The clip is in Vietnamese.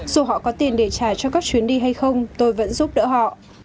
dù họ có tiền để trả cho các chuyến đi hay không tôi vẫn giúp đỡ họ